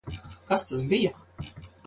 Kas tas bija?